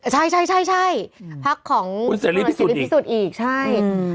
ใช่ใช่ใช่ใช่พักของคุณเสร็จพิสูจน์อีกอีกใช่อืม